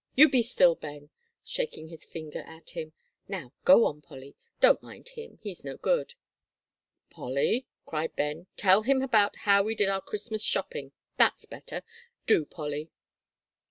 You be still, Ben," shaking his finger at him; "now go on, Polly; don't mind him, he's no good." "Polly," cried Ben, "tell about how we did our Christmas shopping, that's better. Do, Polly."